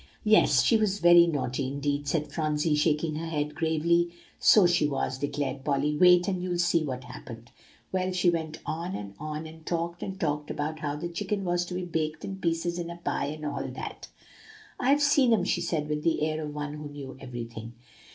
"Yes, she was very naughty indeed," said Phronsie, shaking her head gravely. "So she was," declared Polly; "wait, and you'll see what happened. Well, she went on, and on, and talked, and talked, about how the chicken was to be baked in pieces in a pie, and all that. "'I've seen 'em!' she said with the air of one who knew everything.